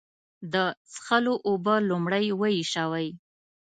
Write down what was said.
د څښلو اوبه لومړی وېشوئ.